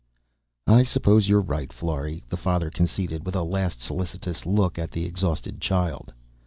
"I suppose you're right, Florry," the father conceded, with a last solicitous look at the exhausted child.